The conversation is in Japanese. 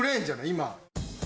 今。